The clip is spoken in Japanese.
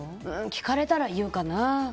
聞かれたら言うかな。